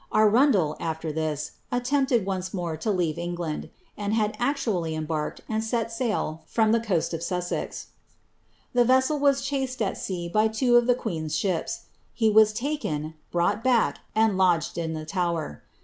Arundel, aAer this, aiieinpied once more lo leave Eng land, and had actually embarked and set sail from the coast of Sussex The vessel was chased at sea by two of the queen's ships; he was taken, brought back, and lodged in the Tower.'